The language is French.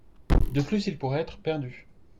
De plus, ils pourraient être perdus.